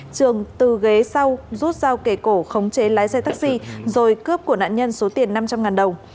trường từ ghế sau rút dao kể cổ khống chế lái xe taxi rồi cướp của nạn nhân số tiền năm trăm linh đồng